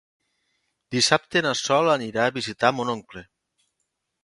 Dissabte na Sol anirà a visitar mon oncle.